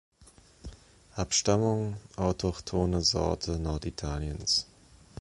Abstammung: autochthone Sorte Norditaliens